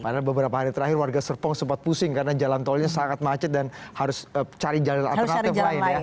karena beberapa hari terakhir warga serpong sempat pusing karena jalan tolnya sangat macet dan harus cari jalan alternatif lain ya